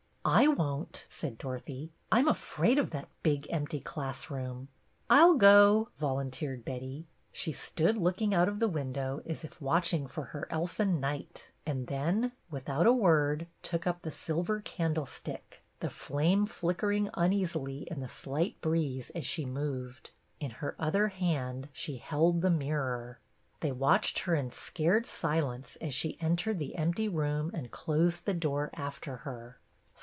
" I won't," said Dorothy. " I 'm afraid of that big empty class room." " I 'll go," volunteered Betty. She stood looking out of the window as if watching for her elfin knight, and then, without a word, took up the silver candlestick, the flame flick ering uneasily in the slight breeze as she moved ; in her other hand she held the mirror. They watched her in scared silence, as she entered the empty room and closed the door after her.